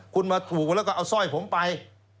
คุณมาถูกแล้วก็เอาสร้อยผมไป